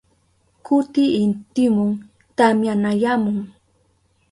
Kuti intimun tamyanayamun.